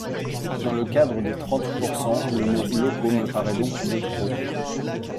Dans le cadre des trentepourcent, le mot « locaux » me paraît donc de trop.